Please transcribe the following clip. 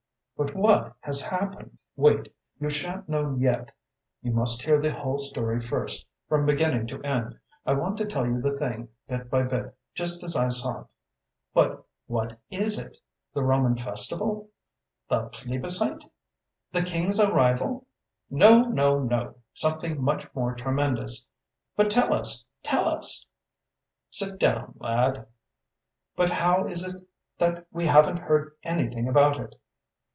"But what has happened?" "Wait! You shan't know yet. You must hear the whole story first, from beginning to end. I want to tell you the thing bit by bit, just as I saw it." "But WHAT is it? the Roman festival?" "The PLEBISCITE?" "The King's arrival?" "No, no, no! Something much more tremendous!" "But tell us, tell us!" "Sit down, lad!" "But how is it that we haven't heard anything about it?"